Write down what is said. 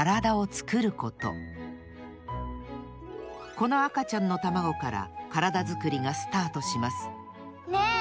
この赤ちゃんのたまごからカラダづくりがスタートしますねえ。